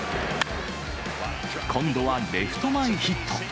今度はレフト前ヒット。